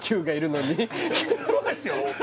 そうですよ